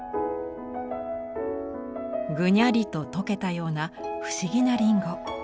ぐにゃりと溶けたような不思議なりんご。